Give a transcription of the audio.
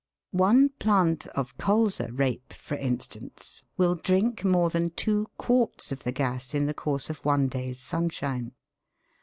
One plant of colza rape, for instance, will drink more than two quarts of the gas in the course of one day's sun shine.